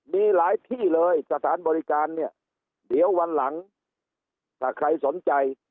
มีหลายที่เลยสถานบริการเนี่ยเดี๋ยววันหลังถ้าใครสนใจ